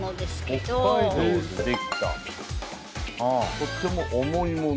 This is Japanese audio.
とても重いもの。